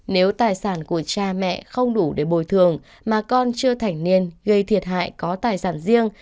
nếu tài sản của cha mẹ không đủ để bồi thường mà con chưa thành niên gây thiệt hại có tài sản riêng